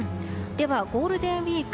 ゴールデンウィーク